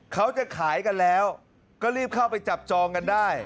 เขาจะขายกันแล้วก็รีบเข้าไปจับจองกันได้